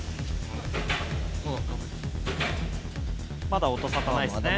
まだ音沙汰ないですね